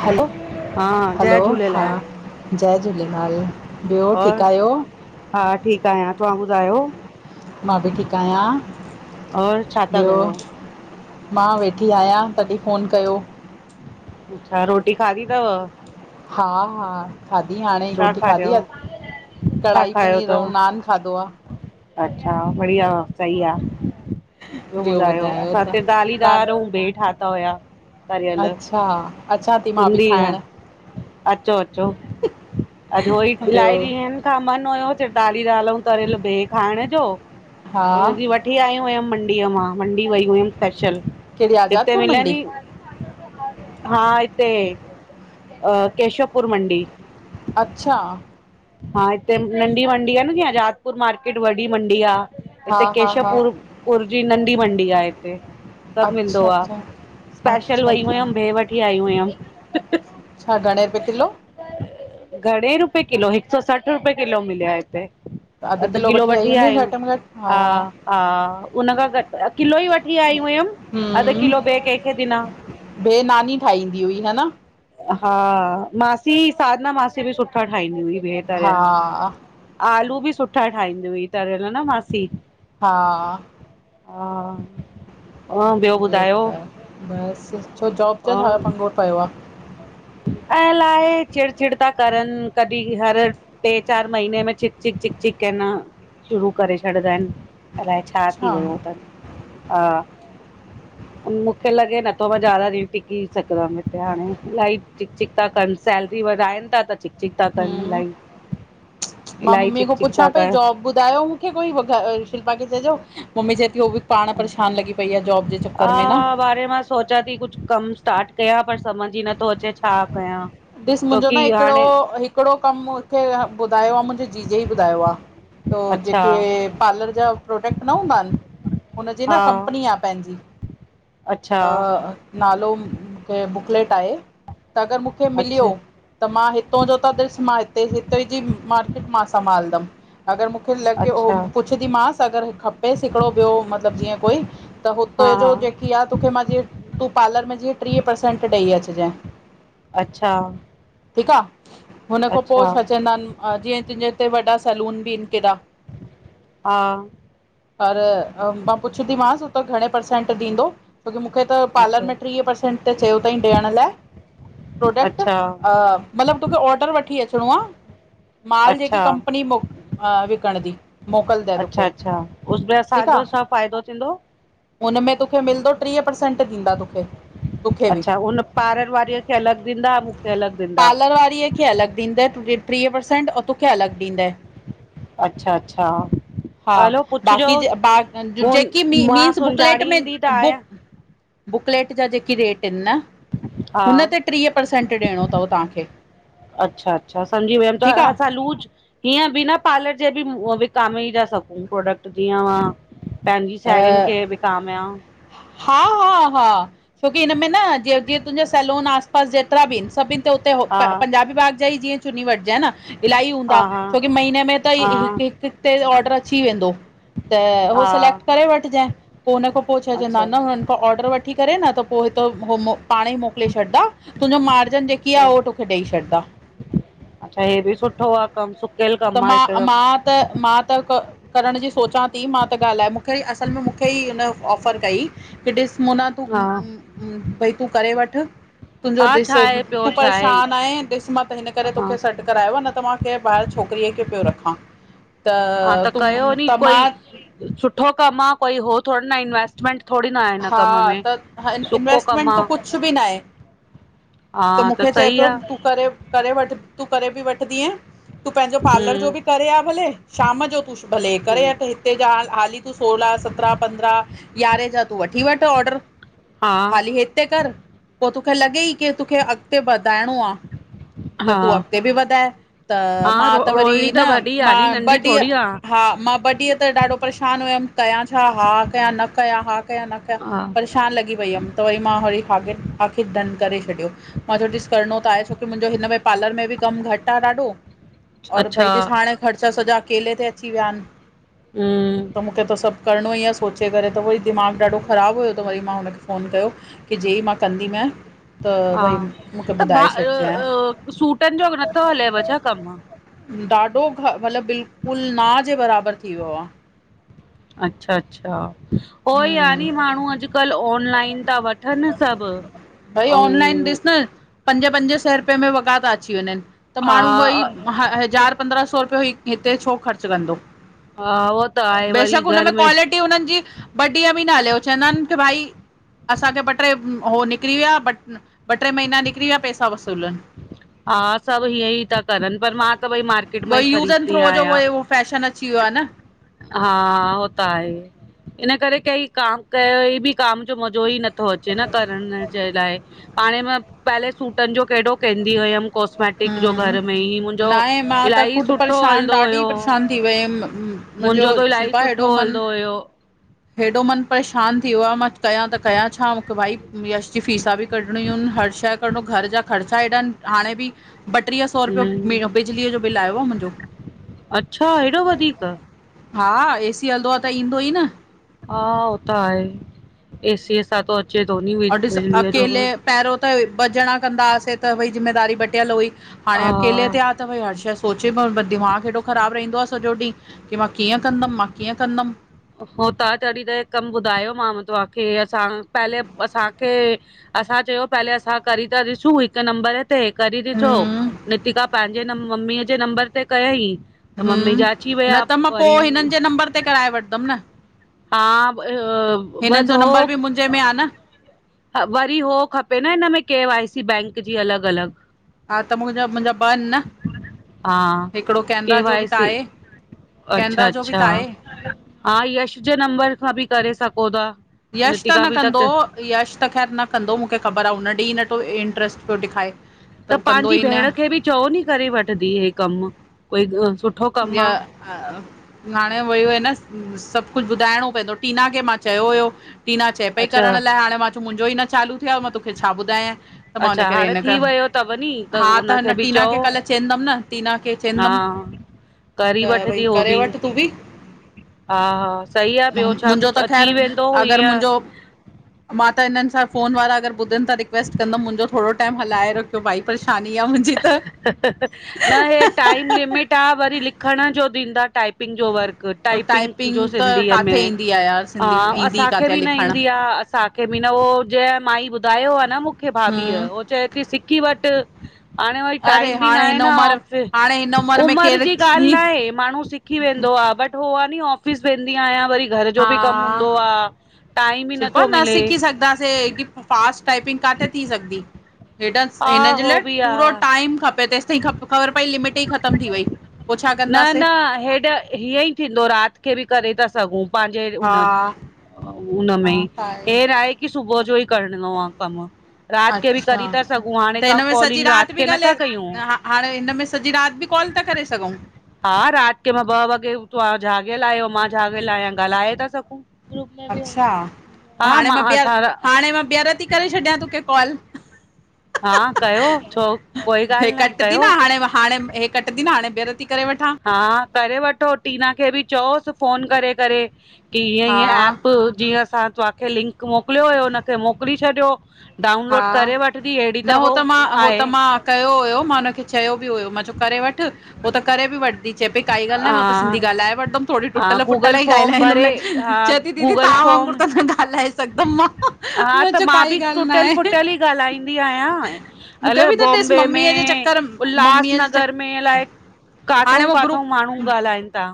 हलो, हा हलो जय हा झूलेलाल जय झूलेलाल ॿयो और ठीक आहियो? हा ठीक आहियां, तव्हां ॿुधायो मां भी ठीक आहियां, और छा था ॿियो कयो मां वेठी आहियां तॾहिं फ़ोन कयो अच्छा रोटी खादी तव? हा-हा खादी हाणे ही छा रोटी खादी, खाधव छा कढ़ाई खायो पनीर अऊ अथव नान खादो आ। अच्छा, बढ़िया सही आ। ॿिॿयो आहे ॿियो ॿुधायो असां त हिते दालीदार अऊ तव्हां भेहं ठाता हुया। तरियल अच्छा! अचां ती मां भी सिंधी खाइण। अचो अचो [inaudible] अॼु उहोई ॿियो इलाही ॾींहं न खां मन हुयो ट्रीदाली दाल अऊ तरियल भिब खाइण जो हा त हुनि ॾींहं वठ वठी आई हुयमि मंडीअ मां मंडी वई हुयमि स्पेशल, कहिड़ी हिते आज़ादपुर मिलन मंडी ही हा हिते केशवपुर मंडी। अच्छा। हा हिते नंढी मंडी आ न जी आजादपुर मार्किट वॾी मंडी आ। हा हिते हा हा केशवपुर पुर जी नंढी मंडी आहे हिते सब मिलंदो अच्छा आ। अच्छा स्पेशल अच्छा वई अच्छा हुयमि भिह वठी आई हुयमि। हा, घणे रुपए किलो? घणे रुपए किलो हिक सौ सठ रुपए किलो मिलिया हिते। अधु अधि किलो आई वठी हूंदी आयिम घटि में घटि हा हा हुन खां घट किलो ही वठी आई हुयमि अधु किलो ॿिए कंहिंखे ॾिना। भिहं नानी ठाहींदी हुई, हा न। हा मासी साधना मासी बि सुठा ठाहींदी हुई भिह हा तरयिल। आलू बि सुठा ठाहींदी हुई तरियल न मासी। हा हा ॿियो ॿुधायो? अलाए चिड़ चिड़ था करनि कॾहिं हर ट्रे चार महीने में चिक चिक चिक हे न शुरू करे छॾिंदा आहिन। अलाए छा थी अच्छा वयो तनि हा। मूंखे लॻे नथो मां ज्यादा देर टिकी सघंदमि हिते हाणे इलाही चिक चिक था कनि सैलरी वधाइनि ता त चिक चिक था कनि हम्म इलाही। मां इलाही मम्मी चिक खां चिक था पुछां पई कनि जॉब ॿुधायो मुखे कोई शिल्पा खे चईंजो मम्मी चएती हो भी पाण परेशान लॻी पई आहे जोब हा बांरह मास सोचियां थी कुछ कम स्टार्ट कयां पर समझ ही नथो अचे छा कयां। ॾिस मुंजो न छोकी हिकिड़ो हाणे हिकिड़ो कम मूंखे ॿुधायो आहे मुंहिंजे जीजे ही ॿुधायो आ। तो। अच्छा जेके पार्लर जा प्रोडक्ट न हूंदा आहिनि हुनजी न हा कंपनी आ पेंजी अच्छा अ नालो, मूंखे बुकलेट आहे त अगर मूंखे मिलियो अच्छा त मां हितां जो त ॾिस मां हिते, हिते जी मार्किट मां संभालंदमि। अगर मूंखे लॻयो अच्छा पुछंदी मांसि अगर खपेसि हिकिड़ो ॿियो मतलब जीअं कोई त हा हुते जो हा जेकी आहे तोखे मां जीअं तूं पार्लर में जीअं ट्रीह परर्सेंट ॾेई अचजई। अच्छा ठीक आ हुन खां पो अच्छा छा चईंदा आहिनि जीअं तुंहिंजे हिते वॾा सैलून बि आहिनि केॾा। हा पर मां पुछंदीमांसि हूते घणे परर्सेंट ॾींदो। छोकी मूंखे त पार्लर अच्छा में ट्रीह पर्सेंट त चयो तईं ॾियण लाइ। प्रोडक्ट अच्छा अ मतलबु तोखे ऑर्डर वठी अचिणो आ माल जेकी अच्छा कंपनी मो अ विकणदी मोकिलदए तोखे ठीक आ फ़ायदो थींदो। हुनमें तोखे मिलदो ट्रीह परर्सेंट ॾींदा तोखे तोखे बि अच्छा हुन पारर वारीअ खे अलगि ॾींदा मुखे अलगि पार्लर वारीअ खे अलॻि ॾींदए त ट्रीह परसेंट औ तुखे अलॻि ॾींदए। अच्छा -अच्छा हा हलो बाक़ी जे पुछिजोसि बा हू जेकी मीं मां मीन्स बुकलेट में सुञाणींदी त बुक आहियां बुकलेट जा जेके रेट इनि न, हा हुन ते ट्रीह परर्सेंट ॾियणो तव तहांखे अच्छा -अच्छा, समझी वयम त असां लूज़ हीअं बिना पार्लर जे बि विकामेइ ता सघूं प्रोडक्ट जीअं मा पंहिंजी आहे साहेड़ियुनि खे विकामिया। हा हा हा, छोकी हिनमें न जीअं -जीअं तुंजो सैलून आस पास जेतिरा बि इनि, सभिनि ते हुते हो प हा पंजाबी बाग जाई जीअं चुनी वठिजंए न इल्हाई हा हूंदा हा छोकी महीने में त ई हा हिकु -हिकु ते ऑर्डर अची वेंदो। त हो हा सिलेक्ट करे वठिजंए, पो हुन खां पो छा चंएदा अच्छा इन हुन खा आर्डर वठी करे न, त पो हितां हो मो पाणंई मोकिले छॾदा, तुन्जो मार्जन जे की आ अच्छा हो टोखे ॾई छॾदा। अच्छा हे बि सुठो आ कमु, सुकियल कम आ हे त। हा त मां त क करण जी सोचां ती, मां त ॻाल्हाय मुखे असल में मुखे ई हिन ऑफर कई की ॾिसु मोना तूं हा उ उ भई तूं करे वठि हा तुंजों छा ॾिसु, आहे पियो तूं छा परेशान आहे ॾिसु मां त हिन करे हा तोखे सॾु करायो आ, न त मां केहिं ॿाहिरि छोकिरीअ खे पियो रखां, त हा त तूं कयो नी त मां कोई सुठो कम आ कोई हो थोड़ ना हे इंवेस्टमेंट हा त हा कमु इनवेस्टमेंट आ त कुझु बि ना हे। त हा त मुखे चए सही पियो आ तूं करे करे वठि तूं करे बि वठदींअ तूं पंहिंजो पार्लर जो हम्म बि करे आ भले, शाम जो तूं श् भले हे करे हम्म वटि ह ते जा हाली तूं सोलहां, सत्रहा, पंद्रहां, यारहें जा तूं वठी वठु ऑर्डर हा हाली हिते कर, पो तोखे लॻेई की तुखे अॻिते वधाइंणो आ त हा तूं अॻिते बि वधाए, त हा मां रो त वरी रोहिणी त न वॾी आ मां नी ॿ नंढी डीह थोरी आ हा मां ॿ ॾीहं त ॾाढो परेशान हुयमि, कयां छा हा कया न कया हा कया न कया हा परेशान लॻी पई हमि त वरी मां वरी हागिर आख़िर डन करे छॾियो। मां च्यो ॾिसु करिणो त आहे, छोकी मुंजो हिन में पार्लर में बि कमु घटि आ ॾाढो और भई अच्छा ॾिसु हाणे ख़र्चा सॼा अकेले ते अची विया इनि हम्म त मुखे त सभु करिणो ई आ सोचे करे त उहोई दिमाग़ु ॾाढो ख़राबु हुयो, त वरी मां हुनखे फ़ोन कयो की जे ई मां कंदीमंए हा, त भा अ अ सूटनि जो नथो हलेव छा कमु? ॾाढो घ मतिलब बिल्कुलु ना जे बराबरि थी वियो आ। अच्छा - अच्छा, हो ई आ हम्म नी माण्हूं अॼुकल्ह आन लाइन ता वठनि सभु भई ऑनलाइन अंउं ॾिस न पंज -पंज सै रुपये में वॻा ता अची वंञंनि त हा माण्हूं वई ह हज़ार पंद्रहां सौ रुपियो हि हिते छो ख़र्चु कंदो। हा उहो त आहे वरी घर में की हुननि जी वॾीअ में न हलियो चइंदान की भाई असांखे ॿ ट्रे हो निकिरी विया ॿ ॿ ट्रे महीना निकिरी विया पैसा वसूल इन। हा सभु हीअं ई था करनि पर मां त भई मार्केट मां उहो ई यूज़ एंड ख़रीददी थ्रो जो आहियां। उहो फैशन अची वियो आ न। हा हो त आहे, इन करे कई काम कयो बि काम जो मज़ो ई न तो अचे न करण जे लाइ पाणे मां पहले सूटनि जो कडो केंदी हुयम। कॉस्मेटिक जो हम्म घर में ई मुंहिंजो न आहे मां त इलाही ख़ुदि सुठो परेशान हलदो ॾाढी हुयो। परेशान थी वयमि मुंहिंजो मुजो त इलाही शिल्पा हेॾो सुठो मन हलदो हुओ। हेॾो मनु परेशानु थी वियो आ मां कयां त कयां छा मूंखे भाई यश जी फ़ीसा बि कढणियूं इन हर शइ कढणो, घर जा ख़र्चा हेॾा आहिन हाणे बि ॿट्रीह सौ रुपियो हम्म मि बिजलीअ जो बिल आयो आहे मुंजो। अच्छा हेॾो वधीक? हा ए सी हलदो आ त ईंदो ई न। हा हो त ह आहे, ए सी सां त अचे तो नी बिजली जो पेरियों त ॿ ॼणा कंदा हुआसे त भई ज़िमेदारी बटियल हुई हाणे अकेले हा। ते आ त भई हर शे सोचे पियो बट दिमाग़ु हेॾो ख़राबु रहंदो आ सॼो ॾींह की मां कीअं कंदम मां कीअं कंदम। हो त आ तॾीं त हे कमु ॿुधायोमांव तव्हांखे असां पहले असांखे असां चयो पहले असां करी था ॾिसूं हिकु नंबर त करे हे ॾिठो हम्म नितिका पंहिंजे न मम्मीअ जे नंबर ते कयई। हूं, त मां पो हिननि जे नंबर ते कराए वठदमि न। हा ब हो। हिननि जो नंबर बि मुंजे में आ न। ह वरी उह खपे न हिन में के वाइ सी बैंक जी अलॻि अलॻि हा त मुंजा, मुंजा ॿ आहिन न हा हिकिड़ो केनरा के जो वाई बि त सी आहे। अच्छा, केनरा जो बि त अच्छा आहे हा यश जे नंबर खां बि करे सघो था। यश त नितिका न बि कंदो यश त ख़ैर न कंदो मूंखे ख़बर आहे हुन ॾेह नथो इंट्रस्ट पियो ॾेखारे। त कंदो पींजी ई न भेण खे बि चओ नी करे वठदी हे कम कोई सुठो कमु बिया, आ। हाणे वयो हुई न सभु कुझु ॿुधाइणो पइंदो टीना खे मां चयो हुयो टीना चए पई अच्छा करण लाए हाणे मां मुंजो ई न चालू थियो आहे, मां तोखे छा ॿुधायां? त मां हुन अच्छा करे हाणे हिन थी वियो अथव नी करे हा त हुनखे हिन बि टीना चओ खे कल्ह चवंदमि न टीना खे हा, चईंदमि करी त भई वठदी हो करे बि। वठि तूं हा हा सही आ, ॿियो छा मुंहिंजो कुझु त अची ख़ैरु वेंदो अगरि हीअं मुंहिंजो मां त हिन्हनि सां फ़ोन वारा अगरि ॿुधनि त रिक्वेस्ट कंदमि मुंहिंजो थोरो टाइम हलाए रखियो भाई परेशानी आ मुंजे। न हे टाइम लिमिट ता वरी लिखण जो ॾींदा टाइप पिंग जो वर्क टाइपिंग जो त सिंधीअ काथे में ईंदी आहे यार हा सिंधी में ईंदी असांखे काथे बि न लिखण ईंदी आ असां के मी न ओ जंहिं माई ॿुधायो आ न मूंखे भाभीअ हम्म हो चए थी सिकी वठ। हाणे वरी अरे टाइम बि न हाणे आहे हिन न उमिरि ऑफिस हाणे हिन उमिरि में उमिर केरु जी ॻाल्ह न कीअं आहे माण्हू सि खी वेंदो आ बट् हो आ नी ऑफिस वेंदी आयां वरी घर जो हा बि कमु हूंदो आ, टाइम ई नथो मिले। कंदासे गि फास्ट टाईपिंग काथे थी सघदी, हेड हा हिन जे हो लाय बि आ पूरो टाइम खपे ते ख़बर पई लिमिट ई ख़तम थी वई। पो छा न न कंदासीं हेॾा हीअं ई थींदो राति खे बि करे था सघूं पंहिंजे हुन हा हुनमें उहो त हेे न आहे की सुबुह जो ई करणो आहे कम। राति के बि अच्छा करीथा सघूं हाणे त का हिन में सॼी कॉलिंग राति बि खे नथा ॻाल्हाए कयूं? हा हाणे हिनमें सॼी राति बि कॉल था करे सघूं? हा राति के मां ॿ वॻे त्हां जाॻियल आहियो मां जाॻियल आहियां ॻाल्हाए था सघूं। अच्छा हा हाणे मां ॿियहर असां हाणे मां ॿियहर थी करे छॾियां तोखे कॉल। हा कयो हहह छो कोई हे ॻाल्हि आहे कट थी कयो न हाणे हाणे कटंदी न हाणे बेहर थी करे वठां। हा करे वठो टीना खे बि चओसि फोन करे करे। की हअं हा हअं ऐएप जीअं असां तव्हांखे लिंक मोकिलियो हुयो उखे मोकिले छॾियो। हा। डाउनलोड करे वठंदी अहिड़ी हेणी न त हो मां हो त आहे। मां कयो हुयो मां हुनखे चयो बि हुयो मां चयो करे वठ उ त करे बि वठ दी चएपई काई ॻाल् नाहे हा मां त सिंधी गाल्हाए वठदम थोरी हा टुटल फुटल गूगल ई फॉम गाल्हाईंदम भरे न। हा चये थी दीदी गूगल तहाँ वांगुर फॉम त न गालाए सघंदम मां, मां चयो काई गाल् नाहे। टुटियल फुटियल ई ॻाल्हाईंदी आहियां मूंखे अले बि त ॾिस बॉम्बे मम्मीअ जे में चक्कर मम्मीअ जे चक उल्हासनगर में अलाए हाणे काथो काथो माण्हू ॻाल्हाइनि था।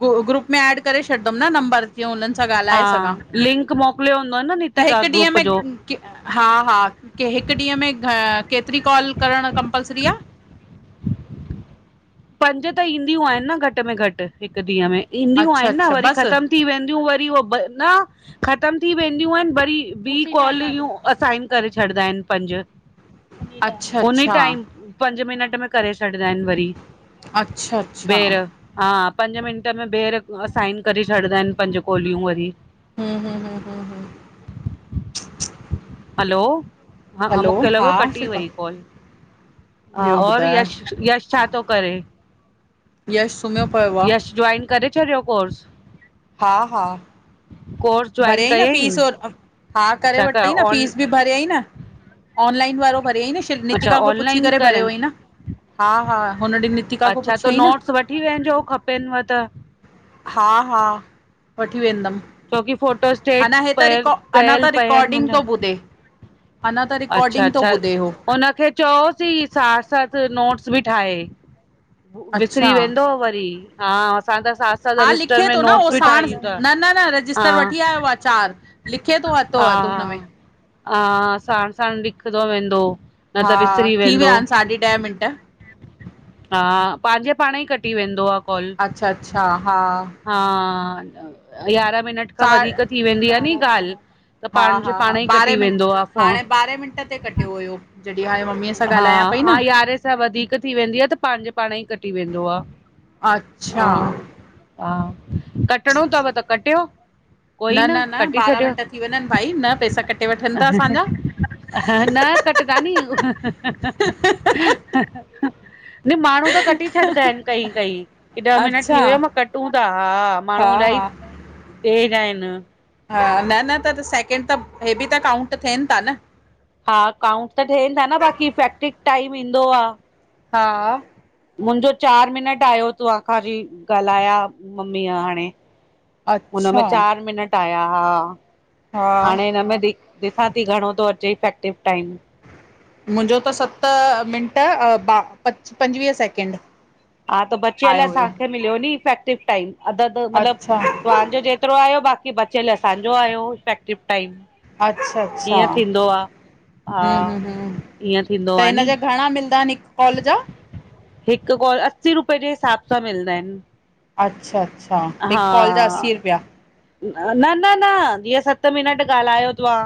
पो ग ग्रुप में एड करे छॾंदुमि नंबर। जीअं हुनननि सां हा ॻाल्हाए सघां, लिंक मोकिलियो हूंदो न त नितिका हिकु ॾींहं ग्रुप में जो क हा हा के हिकु ॾींहं में केतिरी कॉल करणु कंपलसरी आहे? पंज त ईंदियूं आहिनि न घटि में घटि हिक ॾींहं में ईंदियूं अच्छा आहिनि न अच्छा वरी बसि ख़तमु थी वेदिंयू वरी हो न खतम थी वेदिंयू आहेन वरी ॿी कोलयू असाइन करे छॾंदा आहिनि पंज, अच्छा उन्हीं अच्छा टाइम। [inaudible] पंज मिनट में करे छॾींदा आहिनि वरी। अच्छा अच्छा ॿेर हा पंज मिंट में ॿेहरि असाइन करे छॾींदा आहिनि पंज कोलियूं वरी। ह ह ह ह ह हलो हा, हैलो मूंखे हा लॻो कटी शिल्पा वई कॉल। हा ॿियो और ॿुधाए यश-यश छा थो करेे? यश सुम्हियो पियो यश आहे जोइन करे छॾियो कोर्स? हा, हा कोर्स जॉइन भरिय ई न फीस कयईं हा, करे अच्छा क वरतई न ऑन फीस बि। भरियईं न ऑनलाइन वारो भरियईं न अच्छा शनितिका खां पुछी ऑनलाइन करे भरियो करें हुअईं न। हा हा हुन ॾींहु नितिका खां अच्छा त पुछयाई न। नोट्स वठी वञिजो खपेनव त हा हा वठी वेंदमि छोकी फोटोस्टेट अञा हे त पयल रिकॉ अञा कयल त पिया आहिनि रिकॉर्डिंग थो मुंहिंजा। ॿुधे अञा त रिकॉर्डिंग थो अच्छा-अच्छा ॿुधे हो हुनखे चयोसी साठ सथ नोट्स बि ठाहे। विसरी अच्छा वेंदो वरी। हा असां त साथ साथ हा रजिस्टर लिखे में थो न उहो नोट्स बि साण, ठाहियूं था न न न हा रजिस्टर वठी आयो आहे चार। लिखे थो हथो हथो हथ हुन मेंें। ह साण साण लिंखंदो वेंदो न हा त विसरी थी विया वेंदो। आहिनि साढी ॾह मिंट हा पंहिंजे पाण ई कॾी वेंदो आहे। कॉल अच्छा अच्छा हा हा, यारह मिनट। खां सा वधीक थी वेंदी आहे नी ॻाल्हि त हा पंहिंजाणे हा पाण ई कटी वेंदो आहेो फोन। कीथे कटियो हुयो जॾहिं हाणे ममीअ सां। हा ॻाल्हायां पई हा न यारहें सा वधीक थी वेंदी आह त पांजे पाण ई कटी वेंदो आह। अच्छा। हा कटणो तव त कटियो। कोई न कटी ॿारहां छॾियो मिंट थी वञनि भाई न पैसा कटे वठनि था असांजा। ह न कटदानी न माण्हू त कटी छॾींदा एन कई कई। की ॾह मिन अच्छा थी वियो मां कटूं ता हा, माण्हू इलाही, तेज आहिन। हा न न त सेकेंड त, हे बि त काउंट थेन ता न। हा काउंट त ठेन ता न बाक़ीईफैक्टिक टाइम ईंदो आह। हा। मुंजो चार मिनट आयो तूं आखरी ॻाल्हा मम्मीअ हाणे। हुनमें अच्छा चार मिनट आया हा, हा हाणे हिन में रि ॾिसां ती घणो तो अचे इफेक्टिव टाइम। मुंजो त सत मिंट प, पंजवीह सैकेंड। हा त बचीअल आयो हुयो। असांखे मिलो नी इफेक्टिव टाइम अध अध मतलब, अच्छा तव्हांजो जे एतरो आयो बाक़ी बचयल असांजो आयो ईफैक्टिव टाइम। अच्छा - अच्छा। ईअं थींदो आहे हूं हा हूं हूं ईअं थींदो त हिन जा घणा मिलंदा अन हिक कॉल जा? हिक कल, असी रुपे जे हिसाब सां मिलंदा ईन। अच्छा। अच्छा हिकु कॉल जा हा। असी रुपया। न न न जीअं सत मिनट ॻाल्हायो तव्हां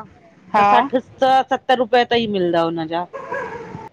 त हा सठ त सतर रुपए ताईं मिलंदा हुनजा। ? [inaudible]